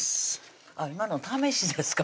今の試しですか？